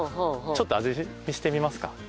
ちょっと味見してみますか？